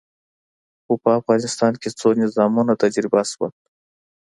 خو په افغانستان کې څو نظامونه تجربه شول.